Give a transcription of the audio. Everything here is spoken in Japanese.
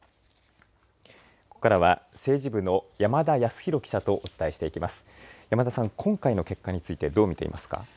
ここからは政治部の山田康博記者とお伝えしていきます。